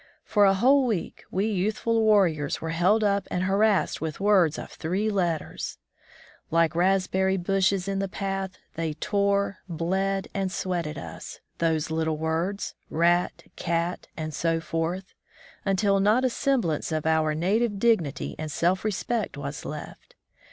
For a whole week we youthful warriors were held up and harassed with words of three letters. Like raspberry bushes in the path, they tore, bled, and sweated us — those little words rat, cat, and so forth — until not a semblance of our native dignity and self respect was left.